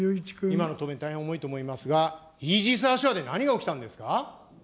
今の答弁、大変重いと思いますが、イージス・アショアで何が起きたんですか。